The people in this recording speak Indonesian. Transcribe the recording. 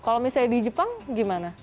kalau misalnya di jepang gimana